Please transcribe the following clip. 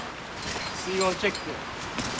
水温チェック。